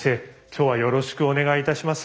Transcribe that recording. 今日はよろしくお願いいたします。